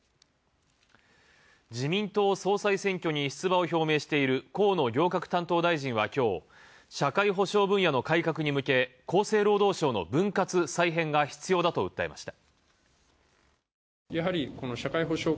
自民党総裁選挙に出馬を表明している河野行革担当大臣は今日、社会保障分野の改革に向け、厚生労働省の分割・再編が必要だと訴えました。